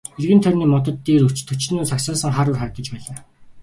Эргэн тойрны модод дээр өч төчнөөн сагсайсан хар үүр харагдаж байлаа.